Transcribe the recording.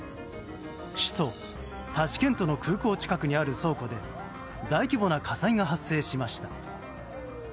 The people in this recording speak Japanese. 首都タシケントの空港近くにある倉庫で大規模な火災が発生しました。